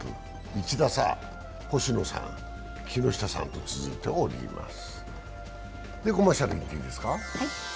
１打差、星野さん、木下さんと続いております。